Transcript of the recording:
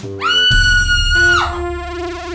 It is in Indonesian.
kurang ajar mbak be